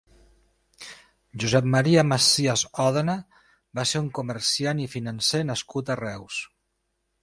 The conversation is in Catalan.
Josep Maria Mascias Òdena va ser un comerciant i financer nascut a Reus.